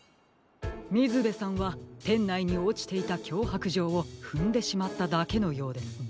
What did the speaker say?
みずべさんはてんないにおちていたきょうはくじょうをふんでしまっただけのようですね。